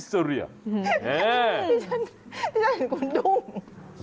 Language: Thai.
ขอบคุณมากค่ะ